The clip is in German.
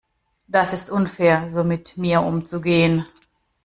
Das ist unfair, so mit mir umzugehen.